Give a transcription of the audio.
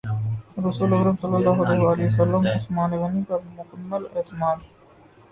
رسول اکرم صلی اللہ علیہ وسلم عثمان غنی پر مکمل اعتماد